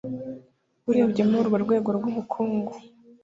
urebye muri urwo rwego rw'ubukungu